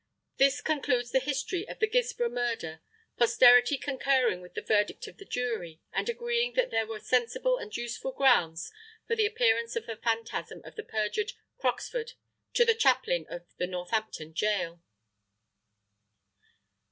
This concludes the history of the Guilsborough murder, posterity concurring with the verdict of the jury and agreeing that there were sensible and useful grounds for the appearance of the Phantasm of the perjured Croxford to the Chaplain of the Northampton Jail.